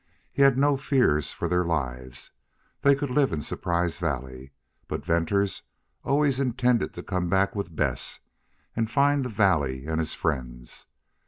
He had no fears for their lives. They could live in Surprise Valley. But Venters always intended to come back with Bess and find the valley and his friends.